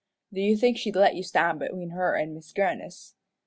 Do you think she'd let you stand between her and Mis' Grannis?